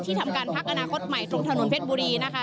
ทำการพักอนาคตใหม่ตรงถนนเพชรบุรีนะคะ